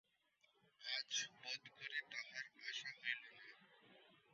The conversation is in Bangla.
আজ বােধ করি, তাঁহার আসা হইল না।